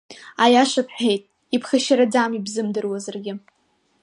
Аиаша бҳәеит, иԥхашьараӡам ибзымдыруазаргьы.